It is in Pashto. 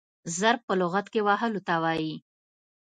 ضرب په لغت کښي وهلو ته وايي.